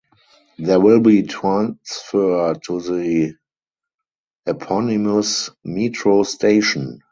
There will be transfer to the eponymous metro station.